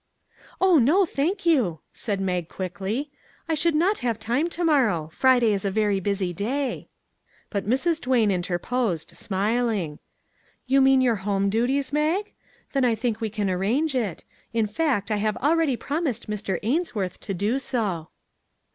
" Oh no, thank you," said Mag quickly, " I should not have time to morrow. Friday is a very busy day." But Mrs. Duane interposed, smiling, " You mean your home duties, Mag? Then I think we can arrange it ; in fact I have already prom ised Mr. Ainsworth to do so."